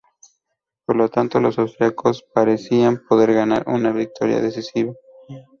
Por lo tanto, los austriacos parecían poder ganar una victoria decisiva.